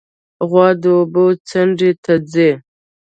غوا د اوبو څنډې ته ځي.